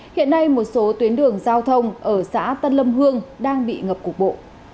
hiện nay một số tuyến đường giao thông ở xã tân lâm hương đang bị ngập cục bộ